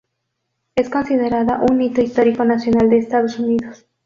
Es considerada un Hito Histórico Nacional de Estados Unidos.